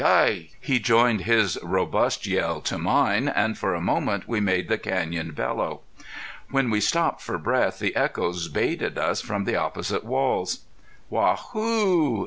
Hi!" he joined his robust yell to mine, and for a moment we made the canyon bellow. When we stopped for breath the echoes bayed at us from the opposite walls. "Waa hoo!"